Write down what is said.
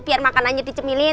biar makanannya dicemilin